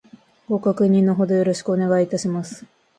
ご確認の程よろしくお願いいたします